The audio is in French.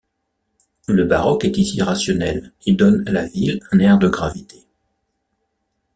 Le baroque est ici rationnel et donne à la ville un air de gravité.